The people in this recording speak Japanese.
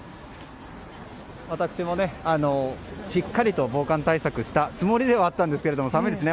私もしっかりと防寒対策したつもりではあったんですが寒いですね。